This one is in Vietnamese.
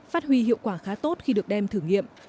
phát huy hiệu quả khá tốt khi được đem thử nghiệm